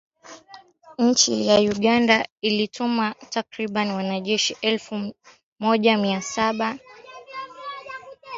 Nchi ya Uganda ilituma takribani wanajeshi elfu moja mia saba kwa jirani yake wa Afrika ya kati hapo mwezi Disemba ili kusaidia kupambana na kundi la waasi.